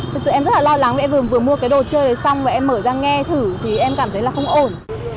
thực sự em rất là lo lắng vì em vừa mua cái đồ chơi này xong rồi em mở ra nghe thử thì em cảm thấy là không ổn